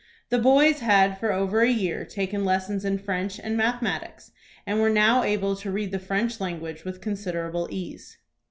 The boys had for over a year taken lessons in French and mathematics, and were now able to read the French language with considerable ease.